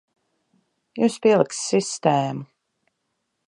Jums pieliks sistēmu.